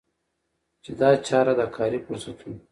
چي دا چاره د کاري فرصتونو